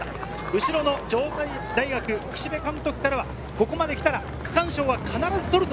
後ろの城西大学、櫛部監督からはここまできたら区間賞は必ず取るぞ！